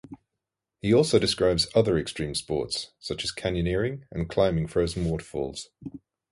He also describes other extreme sports, such as canyoneering and climbing frozen waterfalls.